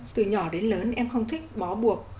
từ nhỏ đến lớn em không thích bó buộc